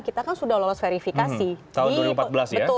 kita kan sudah lolos verifikasi